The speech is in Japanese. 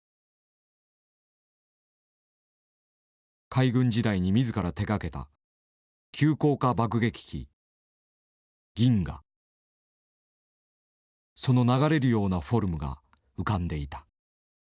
海軍時代に自ら手がけたその流れるようなフォルムが浮かんでいた。